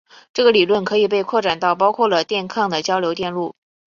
这个理论可以被扩展到包括了电抗的交流电路。